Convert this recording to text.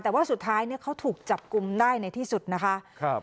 แต่ว่าสุดท้ายเนี่ยเขาถูกจับกลุ่มได้ในที่สุดนะคะครับ